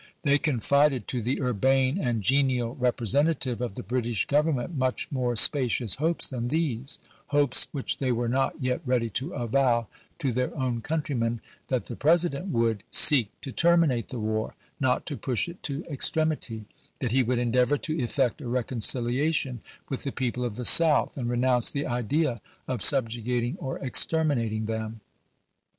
They con fided to the urbane and genial representative of the British Government much more spacious hopes than these, — hopes which they were not yet ready to avow to their own countrymen,' — that the Pres ident would " seek to terminate the war, not to push it to extremity ; that he would endeavor to effect a reconciliation with the people of the South and renounce the idea of subjugating or exterminating them."